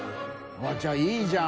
じゃあいいじゃん！